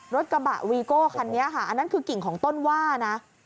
รถกระบะวีโก้คันนี้ค่ะอันนั้นคือกิ่งของต้นว่านะ